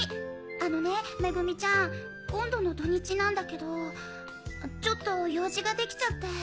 あのね恵ちゃん今度の土日なんだけどちょっと用事ができちゃって。